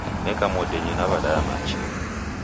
Neka modenyi nawedaya machi.